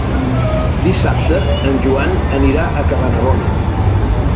Dissabte en Joan anirà a Cabanabona.